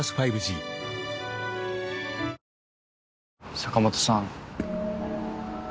坂本さん。